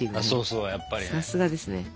そうそうやっぱりね。